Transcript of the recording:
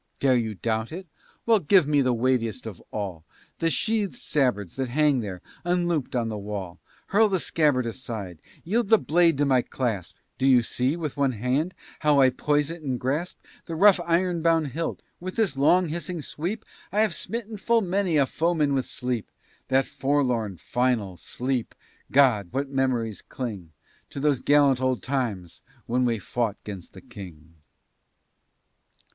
Dare you doubt it? well, give me the weightiest of all The sheathed sabres that hang there, unlooped on the wall; Hurl the scabbard aside; yield the blade to my clasp; Do you see, with one hand how I poise it and grasp The rough iron bound hilt? With this long hissing sweep I have smitten full many a foeman with sleep That forlorn, final sleep! God! what memories cling To those gallant old times when we fought 'gainst the King.